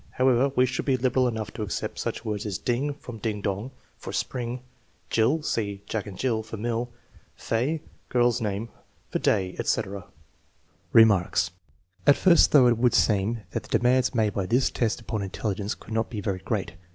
However, we should be liberal enough to accept such words as ding (from " ding dong *') for spring, Jill ( see " Jack and Jill ") for mill, Fay (girl's name) for day, etc. Remarks. At first thought it would seem that the de mands made by this test upon intelligence could not be very great.